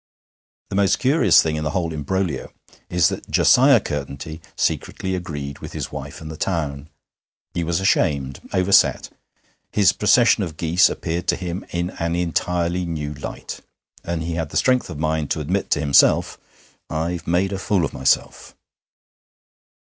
The most curious thing in the whole imbroglio is that Josiah Curtenty secretly agreed with his wife and the town. He was ashamed, overset. His procession of geese appeared to him in an entirely new light, and he had the strength of mind to admit to himself, 'I've made a fool of myself.'